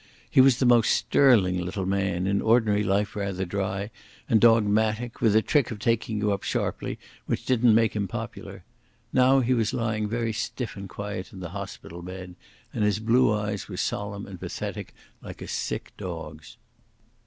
He was the most sterling little man, in ordinary life rather dry and dogmatic, with a trick of taking you up sharply which didn't make him popular. Now he was lying very stiff and quiet in the hospital bed, and his blue eyes were solemn and pathetic like a sick dog's.